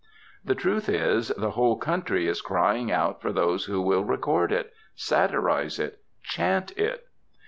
The truth is, the whole country is crying out for those who will record it, satirize it, chant it.